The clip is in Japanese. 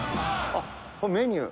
あっこれメニュー。